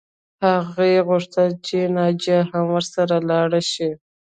هغې غوښتل چې ناجیه هم ورسره لاړه شي